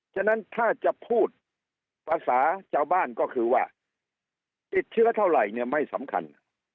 ฉะนั้นถ้าจะพูดภาษาชาวบ้านก็คือว่าติดเชื้อเท่าไหร่เนี่ยไม่สำคัญ